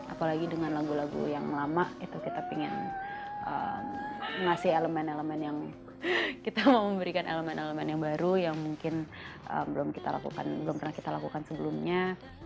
apalagi dengan lagu lagu yang lama itu kita pengen ngasih elemen elemen yang kita mau memberikan elemen elemen yang baru yang mungkin belum kita lakukan belum pernah kita lakukan sebelumnya